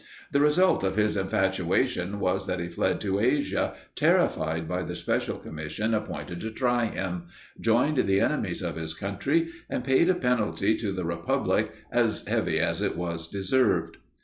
The result of his infatuation was that he fled to Asia, terrified by the special commission appointed to try him, joined the enemies of his country, and paid a penalty to the republic as heavy as it was deserved.